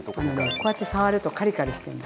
こうやって触るとカリカリしてるの。